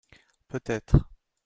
Peut être.